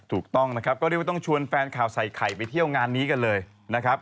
ถูกต้องนะครับก็เรียกว่าต้องชวนแฟนข่าวใส่ไข่ไปเที่ยวงานนี้กันเลยนะครับ